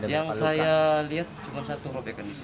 yang saya lihat cuma satu robekan di sini